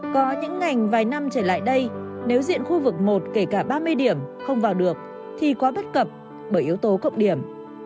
có những ngành vài năm trở lại đây nếu diện khu vực một kể cả ba mươi điểm không vào được thì quá bất cập bởi yếu tố cộng điểm